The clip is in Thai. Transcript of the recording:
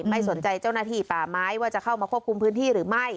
ไม่สนใจเจ้าหน้าที่ป่าไม้ว่าจะเข้ามาควบคุมพื้นที่หรือไม่